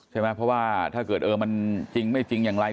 ใช่ไหมเพราะว่าถ้าเกิดเออมันจริงไม่จริงอย่างไร